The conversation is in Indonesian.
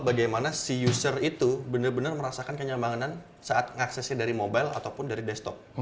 bagaimana user itu benar benar merasakan kenyamanan saat mengaksesnya dari mobile atau desktop